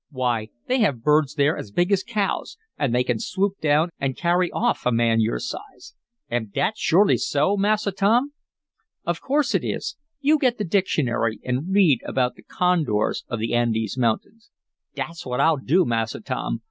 Why, they have birds there, as big as cows, and they can swoop down and carry off a man your size." "Am dat shorely so, Massa Tom?" "Of course it is! You get the dictionary and read about the condors of the Andes Mountains." "Dat's what I'll do, Massa Tom.